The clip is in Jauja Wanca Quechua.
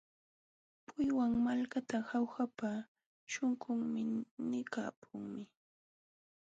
Puywan malkata Jaujapa śhunqunmi nipaakunmi.